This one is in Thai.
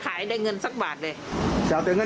ผมว่าเสียคำผมว่ามีเงิน